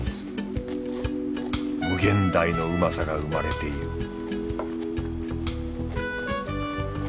無限大のうまさが生まれている